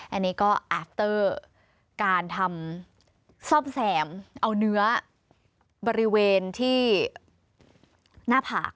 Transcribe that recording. อันนี้ก็แอบเตอร์การทำซ่อมแสมเอาเนื้อบริเวณที่หน้าผาก